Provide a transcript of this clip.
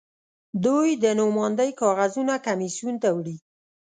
دوی د نوماندۍ کاغذونه کمېسیون ته وړي.